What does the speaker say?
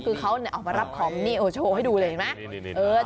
คือเขาออกมารับของนี่โชว์ให้ดูเลยเห็นไหม